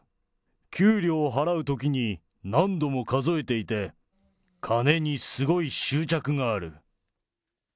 給料を払うときに何度も数えていて、金にすごい執着がある。